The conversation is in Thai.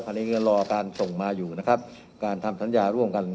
อันนี้ก็รอการส่งมาอยู่นะครับการทำสัญญาร่วมกัน